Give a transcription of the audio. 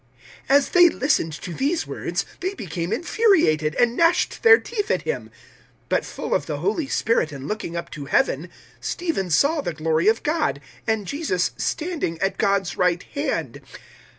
007:054 As they listened to these words, they became infuriated and gnashed their teeth at him. 007:055 But, full of the Holy Spirit and looking up to Heaven, Stephen saw the glory of God, and Jesus standing at God's right hand.